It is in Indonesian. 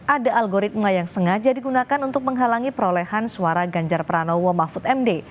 ada algoritma yang sengaja digunakan untuk menghalangi perolehan suara ganjar pranowo mahfud md